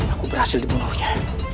aku berhasil dibunuhnya